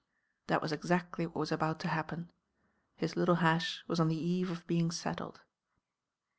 That was exactly what was about to happen. His little hash was on the eve of being settled.